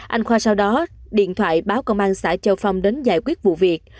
anh khoa sau đó điện thoại báo công an xã châu phong đến giải quyết vụ việc